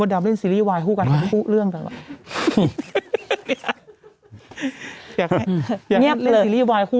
วันนี้จัดเรื่องลิเวอร์นัก